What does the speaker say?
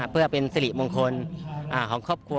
เพื่อเป็นสิริมงคลของครอบครัว